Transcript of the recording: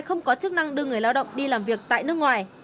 không có chức năng đưa người lao động đi làm việc tại nước ngoài